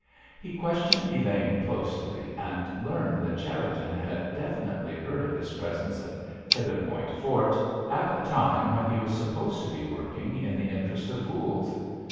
He questioned Elaine closely, and learned that Cherriton had definitely heard of his presence at Heatherpoint Fort at a time when he was supposed to be working in the interest of Voules.